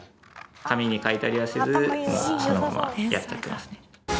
紙に書いたりはせずもうそのままやっちゃってますね。